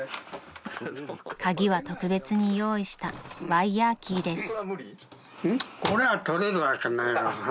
［鍵は特別に用意したワイヤキーです］